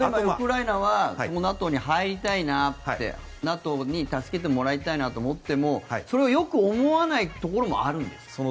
ウクライナはＮＡＴＯに入りたいなってＮＡＴＯに助けてもらいたいなと思ってもそれをよく思わないところもあるんですか。